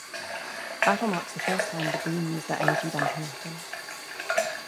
The battle marks the first time the Breen use their energy-damping weapon.